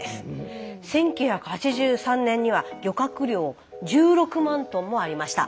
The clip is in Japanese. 実は１９８３年には漁獲量１６万トンもありました。